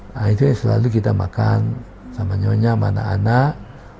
nah itu selalu kita makan sama nyonya sama anak anak